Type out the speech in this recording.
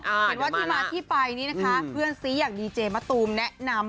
เห็นว่าที่มาที่ไปนี่นะคะเพื่อนซีอย่างดีเจมะตูมแนะนำ